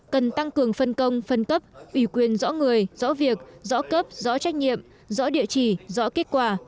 cần tăng cường phân công phân cấp ủy quyền rõ người rõ việc rõ cấp rõ trách nhiệm rõ địa chỉ rõ kết quả